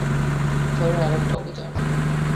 থরের আরেকটা অভিযান।